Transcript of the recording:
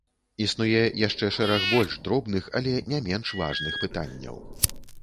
Існуе яшчэ шэраг больш дробных, але не менш важных пытанняў.